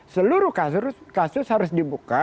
seluruh kasus harus dibuka